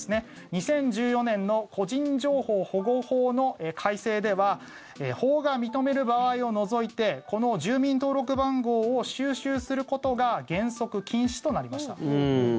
２０１４年の個人情報保護法の改正では法が認める場合を除いてこの住民登録番号を収集することが原則禁止となりました。